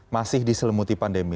masih diselemuti pandemi